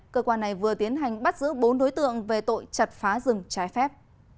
cơ quan này vừa tiến hành bắt giữ bốn đối tượng về tội chặt phá rừng trái phép